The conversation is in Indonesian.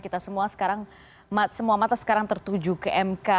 kita semua sekarang semua mata sekarang tertuju ke mk